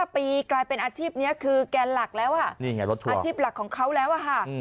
๕ปีกลายเป็นอาชีพนี้คือแกนหลักแล้วอาชีพหลักของเขาแล้วอะค่ะ